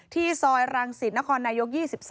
ที่ซอยรังสิทธิ์นครนายก๒๓